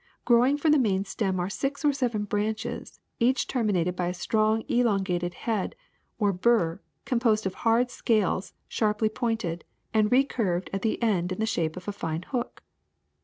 Growing from the main stem are six or seven branches, each termi nated by a strong elongated head or bur composed of hard scales sharply pointed and recurved at the end in the shape of a fine hook.